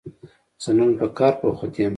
زه نن په کار بوخت يم